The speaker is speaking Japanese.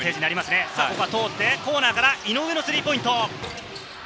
ここは通って、コーナーから井上のスリーポイント。